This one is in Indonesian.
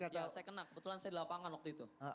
ya saya kena kebetulan saya di lapangan waktu itu